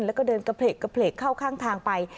แล้วก็เดินกระเพลกเข้าข้างทางไป